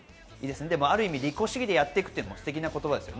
ある意味、利己主義でやっていくというのもステキな言葉ですね。